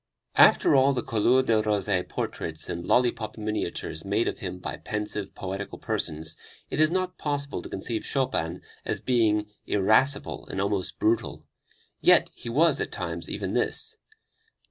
After all the couleur de rose portraits and lollipop miniatures made of him by pensive, poetic persons it is not possible to conceive Chopin as being irascible and almost brutal. Yet he was at times even this.